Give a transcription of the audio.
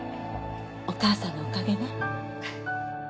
お母さんのおかげね。